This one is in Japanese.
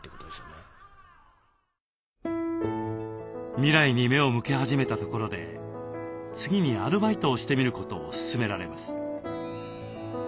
未来に目を向け始めたところで次にアルバイトをしてみることを勧められます。